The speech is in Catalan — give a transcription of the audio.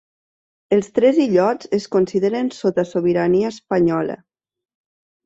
Els tres illots es consideren sota sobirania espanyola.